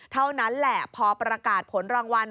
เท่านั้นแหละพอประกาศผลรางวัล